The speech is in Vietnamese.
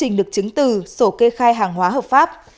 tùng không xuất trình được chứng từ sổ kê khai hàng hóa hợp pháp